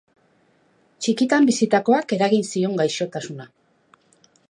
Txikitan bizitakoak eragin zion gaixotasuna.